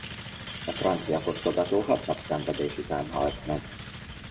A francia fosztogató hat nap szenvedés után halt meg.